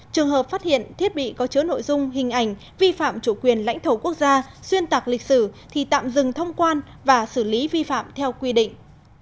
trường hợp phát hiện thiết bị có chứa nội dung hình ảnh vi phạm chủ quyền lãnh thổ quốc gia xuyên tạc lịch sử thì tạm dừng thông quan và xử lý vi phạm theo quy định